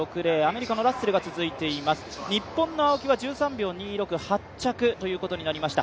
日本の青木は８着ということになりました。